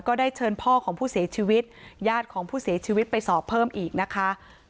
ได้เชิญพ่อของผู้เสียชีวิตญาติของผู้เสียชีวิตไปสอบเพิ่มอีกนะคะ